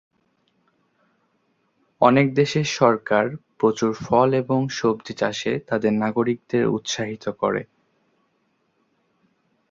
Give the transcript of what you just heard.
অনেক দেশের সরকার প্রচুর ফল এবং সবজি চাষে তাদের নাগরিকদের উৎসাহিত করে।